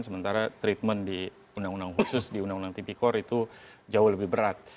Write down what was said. sementara treatment di undang undang khusus di undang undang tipikor itu jauh lebih berat